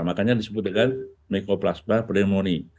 makanya disebut dengan mekoplasba pneumonia